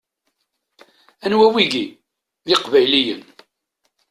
Anwa wigi? D iqbayliyen!